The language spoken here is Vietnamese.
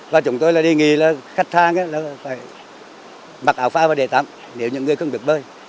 và chúng tôi là đề nghị là khách thang là phải mặc áo pha và để tắm nếu những người không biết bơi